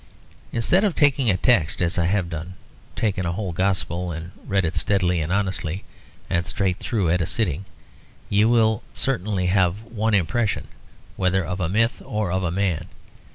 Instead of taking a text as I have done, take a whole Gospel and read it steadily and honestly and straight through at a sitting, and you will certainly have one impression, whether of a myth or of a man.